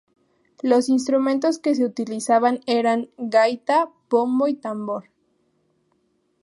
Los instrumentos que se utilizaban eran: gaita, bombo y tambor.